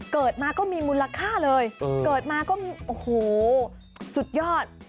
เกิดมาก็มีมูลค่าเลยเกิดมาก็โอ้โหสุดยอด